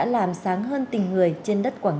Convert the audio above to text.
lũa hơi to có bọn